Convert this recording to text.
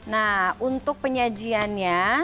nah untuk penyajiannya